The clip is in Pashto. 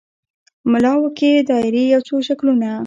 ملا وکښې دایرې یو څو شکلونه